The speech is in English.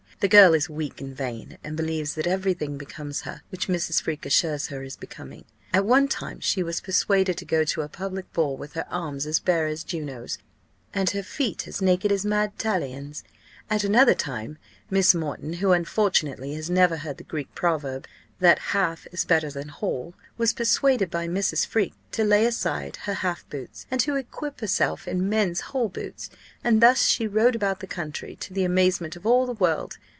The girl is weak and vain, and believes that every thing becomes her which Mrs. Freke assures her is becoming. At one time she was persuaded to go to a public ball with her arms as bare as Juno's, and her feet as naked as Mad. Tallien's. At another time Miss Moreton (who unfortunately has never heard the Greek proverb, that half is better than the whole,) was persuaded by Mrs. Freke to lay aside, her half boots, and to equip herself in men's whole boots; and thus she rode about the country, to the amazement of all the world.